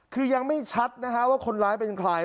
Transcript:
คือยังไม่ชัดนะฮะว่าคนร้ายเป็นใคร